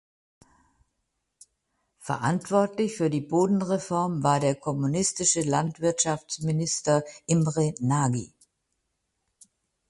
Verantwortlich für die Bodenreform war der kommunistische Landwirtschaftsminister Imre Nagy.